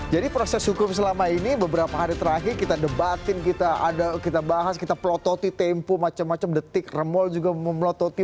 jadi proses hukum selama ini beberapa hari terakhir kita debatin kita bahas kita pelototi tempu macam macam detik remol juga memelototi